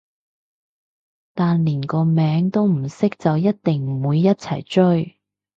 但連個名都唔識就一定唔會一齊追